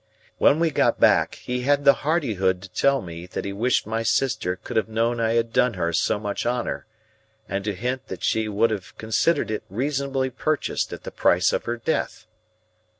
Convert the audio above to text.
When we got back, he had the hardihood to tell me that he wished my sister could have known I had done her so much honour, and to hint that she would have considered it reasonably purchased at the price of her death.